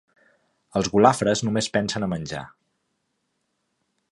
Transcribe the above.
Els golafres només pensen a menjar.